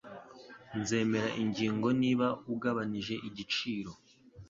Nzemera ingingo niba ugabanije igiciro.